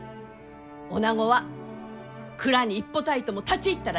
おなごは蔵に一歩たりとも立ち入ったらいかん！